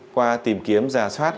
qua tìm kiếm giả soát